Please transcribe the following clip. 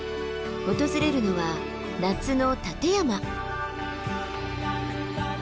訪れるのは夏の立山。